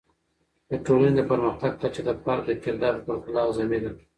د ټولنې د پرمختګ کچه د فرد د کردار په پرتله اعظمي ده.